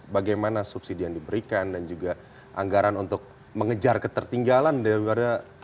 bagaimana subsidi yang diberikan dan juga anggaran untuk mengejar ketertinggalan daripada pesaing pesaing lain